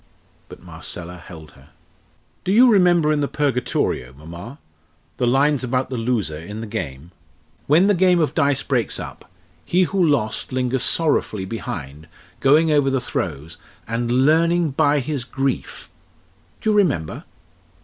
But Marcella held her. "Do you remember in the Purgatorio, mamma, the lines about the loser in the game: 'When the game of dice breaks up, he who lost lingers sorrowfully behind, going over the throws, and learning by his grief'? Do you remember?"